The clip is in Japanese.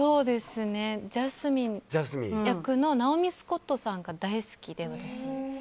ジャスミン役のナオミ・スコットさんが大好きで。